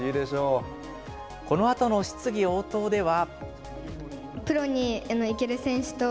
このあとの質疑応答では。